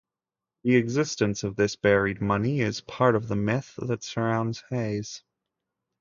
The existence of this buried money is part of the myth that surrounds Hayes.